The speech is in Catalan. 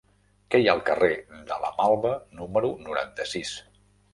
Què hi ha al carrer de la Malva número noranta-sis?